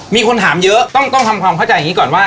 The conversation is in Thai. มีคนถามเยอะต้องทำความเข้าใจอย่างนี้ก่อนว่า